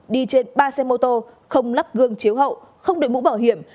đi trên ba xe mô tô không lắp gương chiếu hậu không đổi mũ bảo hiểm